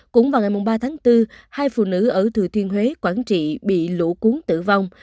cũng vào ngày ba tháng bốn hai phụ nữ ở thừa thiên huế quảng trị bị lũ cuốn tử vong